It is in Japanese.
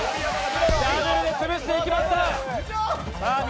ダブルで潰していきました。